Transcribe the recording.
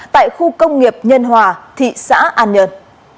tại khu công nghiệp nhân hòa thị xã an nhơn